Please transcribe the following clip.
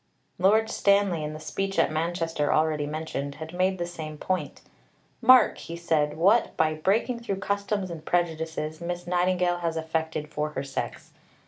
Lord Stanley, in the speech at Manchester already mentioned, had made the same point. "Mark," he said, "what, by breaking through customs and prejudices, Miss Nightingale has effected for her sex.